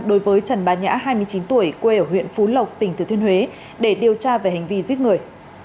đối với trần bá nhã hai mươi chín tuổi quê ở huyện phú lộc tỉnh thừa thiên huế để điều tra về hành vi giết người